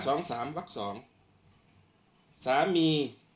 ช่างแอร์เนี้ยคือล้างหกเดือนครั้งยังไม่แอร์